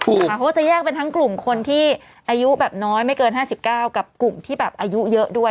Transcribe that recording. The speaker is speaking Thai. เขาก็จะแยกเป็นทั้งกลุ่มคนที่อายุแบบน้อยไม่เกิน๕๙กับกลุ่มที่แบบอายุเยอะด้วย